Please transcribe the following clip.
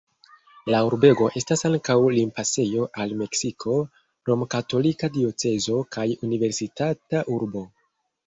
La urbego estas ankaŭ limpasejo al Meksiko, romkatolika diocezo kaj universitata urbo.